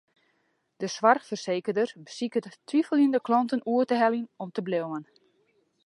De soarchfersekerder besiket twiveljende klanten oer te heljen om te bliuwen.